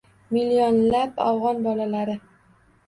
Millionlab afgʻon bolalari